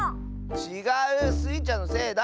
ちがう！スイちゃんのせいだ！